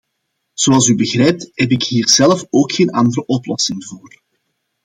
Zoals u begrijpt heb ik hier zelf ook geen andere oplossing voor.